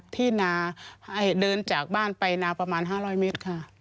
ที่นาเดินจากบ้านไปนาประมาณ๕๐๐เมตรค่ะ